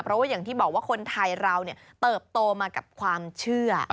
เพราะว่าอย่างที่บอกว่าคนไทยเราเติบโตมากับความเชื่อ